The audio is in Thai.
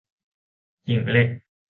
หญิงเหล็ก